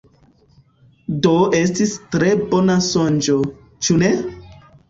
Do estis tre bona sonĝo, ĉu ne?